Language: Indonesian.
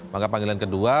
maka panggilan kedua